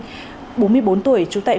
bốn mươi bốn tuổi trú tại phường nguyễn cam minh